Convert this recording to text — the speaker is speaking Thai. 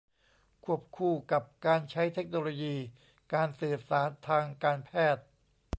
ควบคู่กับการใช้เทคโนโลยีการสื่อสารทางการแพทย์